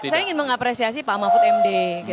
saya ingin mengapresiasi pak mahfud md